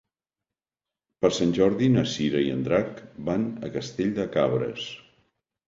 Per Sant Jordi na Cira i en Drac van a Castell de Cabres.